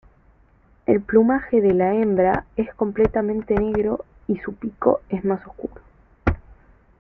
El plumaje de la hembra es completamente negro, y su pico es más oscuro.